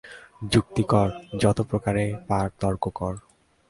যুক্তি কর, যত প্রকারে পার তর্ক কর।